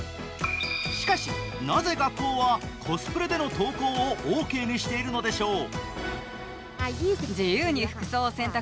しかし、なぜ学校はコスプレでの登校をオーケーにしているのでしょう？